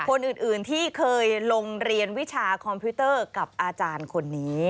คนอื่นที่เคยลงเรียนวิชาคอมพิวเตอร์กับอาจารย์คนนี้